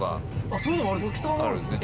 そういうのもあるんですか！